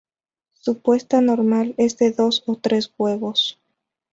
Su puesta normal es de dos o tres huevos.